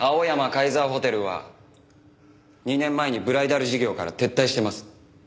カイザーホテルは２年前にブライダル事業から撤退してます。